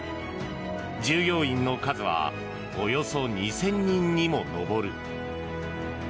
従業員の数はおよそ２０００人にも上る。